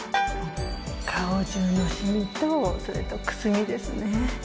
顔じゅうのシミとそれとくすみですね。